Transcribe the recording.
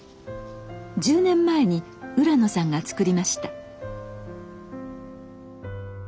１０年前に浦野さんが作りました。